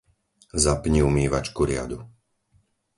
Zapni umývačku riadu.